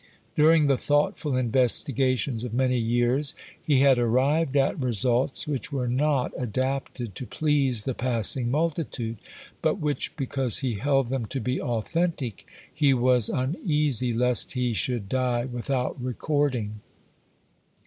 During the thoughtful investigations of many years, he had arrived at results which were not adapted to please the passing multitude, but which, because he held them to be authentic, he was uneasy lest he should die without recording.